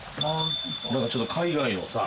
何かちょっと海外のさ